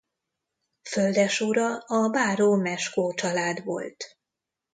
Földesura a báró Meskó család volt.